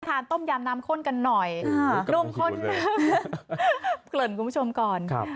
ต้มยำน้ำข้นกันหน่อยนุ่มข้นเกริ่นคุณผู้ชมก่อน